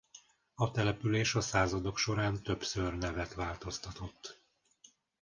A település a századok során többször nevet változtatott.